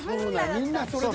みんなそれで。